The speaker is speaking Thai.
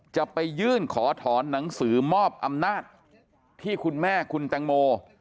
จะไปยื่นขอถอนหนังสือมอบอำนาจที่คุณแม่คุณแตงโม